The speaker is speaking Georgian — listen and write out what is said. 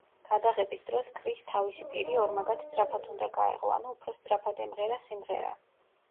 გადაღების დროს კრისს თავისი პირი ორმაგად სწრაფად უნდა გაეღო, ანუ უფრო სწრაფად ემღერა სიმღერა.